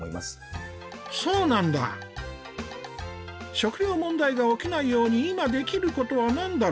食糧問題が起きないように今できることは何だろう？